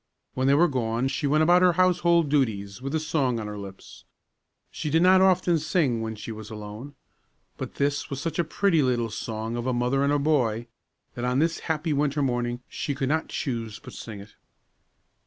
When they were gone she went about her household duties with a song on her lips. She did not often sing when she was alone; but this was such a pretty little song of a mother and her boy, that on this happy winter morning she could not choose but sing it.